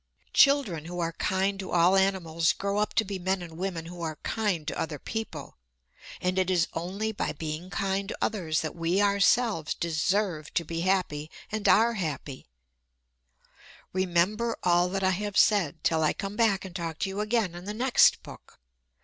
Children who are kind to all animals grow up to be men and women who are kind to other people. And it is only by being kind to others that we ourselves deserve to be happy and are happy. Remember all that I have said, till I come back and talk to you again in the next book.